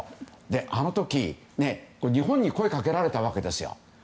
あの時、日本に声がかけられたわけですよ。